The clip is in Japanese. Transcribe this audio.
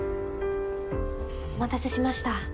お待たせしました。